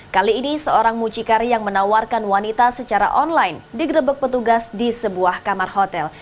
kali ini seorang mucikari yang menawarkan wanita secara online digerebek petugas di sebuah kamar hotel